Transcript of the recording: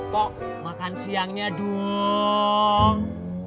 pok makan siangnya duuuung